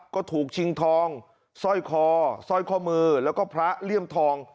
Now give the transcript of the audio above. ก็ถูกชิงทองสร้อยคอสร้อยข้อมือแล้วก็พระเลี่ยมทอง